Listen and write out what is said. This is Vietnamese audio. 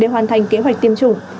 để hoàn thành kế hoạch tiêm chủng